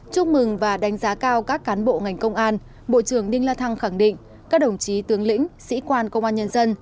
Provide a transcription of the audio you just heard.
chúc mừng và đánh giá cao các cán bộ ngành công an bộ trưởng đinh la thăng khẳng định các đồng chí tướng lĩnh sĩ quan công an nhân dân